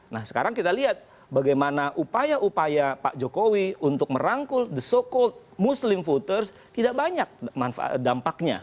nah sekarang kita lihat bagaimana upaya upaya pak jokowi untuk merangkul the so called muslim voters tidak banyak dampaknya